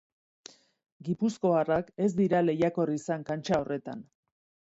Gipuzkoarrak ez dira lehiakor izan kantxa horretan.